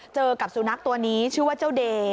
เจอกับสุนัขตัวนี้ชื่อว่าเจ้าเด